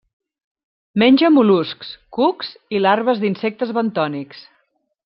Menja mol·luscs, cucs i larves d'insectes bentònics.